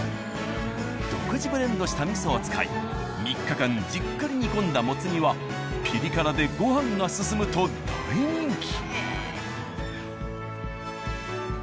独自ブレンドした味噌を使い３日間じっくり煮込んだもつ煮はピリ辛でご飯が進むと大人気。